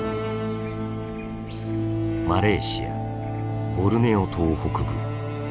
マレーシア・ボルネオ島北部。